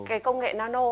cái công nghệ nano